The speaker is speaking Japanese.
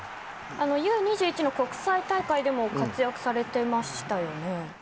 Ｕ‐２１の国際大会でも活躍されてましたよね。